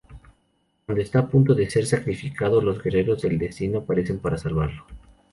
Cuando está a punto de ser sacrificado, los Guerreros del Destino aparecen para salvarlo.